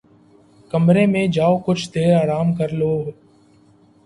کمرے میں جاؤ کچھ دیر آرام کر لوں لو